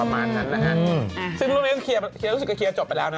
ประมาณนั้นนะฮะซึ่งเรื่องนี้ก็เคลียร์รู้สึกก็เคลียร์จบไปแล้วนะ